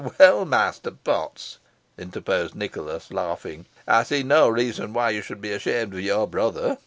"Well, Master Potts," interposed Nicholas, laughing, "I see no reason why you should be ashamed of your brother.